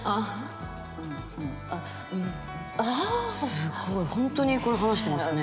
すごいホントにこれ話してますね。